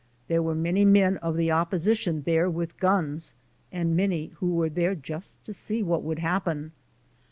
There were many men of the opposition there with guns and many who were there just to see what would happen.